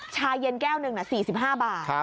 ชาเย็นแก้วหนึ่ง๔๕บาท